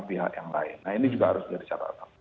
pihak yang lain nah ini juga harus jadi catatan